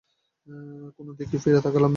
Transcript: কোন দিকে ফিরে তাকালাম না।